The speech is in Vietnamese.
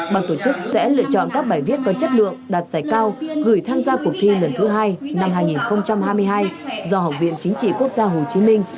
ban tổ chức sẽ lựa chọn các bài viết có chất lượng đạt giải cao gửi tham gia cuộc thi lần thứ hai năm hai nghìn hai mươi hai do học viện chính trị quốc gia hồ chí minh